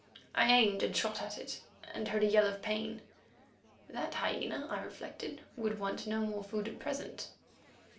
I aimed and shot at it, and heard a yell of pain. That hyena, I reflected, would want no more food at present.